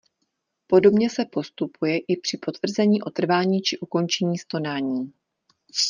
Podobně se postupuje i při potvrzení o trvání či ukončení stonání.